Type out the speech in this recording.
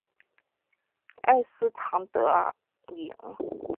埃斯唐德伊。